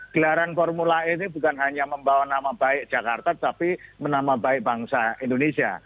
gelaran formula e ini bukan hanya membawa nama baik jakarta tapi menama baik bangsa indonesia